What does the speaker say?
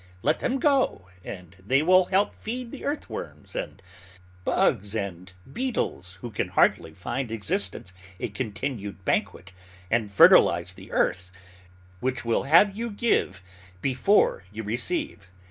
Let them go, and they will help feed the earth worms and bugs and beetles who can hardly find existence a continued banquet, and fertilize the earth, which will have you give before you receive.